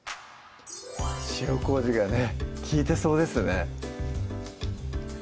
塩麹がね利いてそうですね